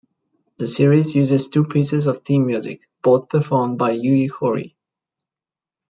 The series uses two pieces of theme music, both performed by Yui Horie.